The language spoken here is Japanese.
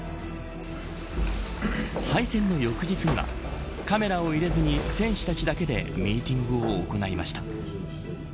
敗戦の翌日にはカメラを入れずに選手たちだけでミーティングを行いました。